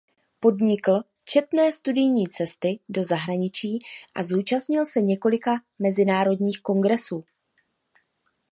Podnikl četné studijní cesty do zahraničí a zúčastnil se několika mezinárodních kongresů.